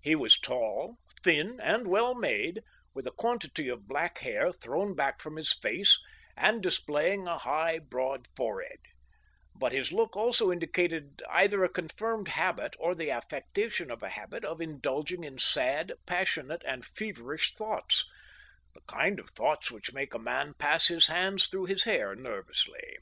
He was tall, thin, and well made, with a quantity of black hair thrown back from his face, and displaying a high, broad forehead, bdt his look also indicated either a confirmed habit, or the affecta tion of a habit, of indulging in sad, passionate, and feverish thoughts «— the kind of thoughts which mak&a man pass his hands through his hair nervously.